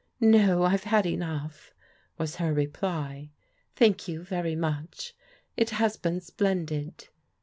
" No, I've had enough/* was her reply. " Thank you very much. It has been splendid.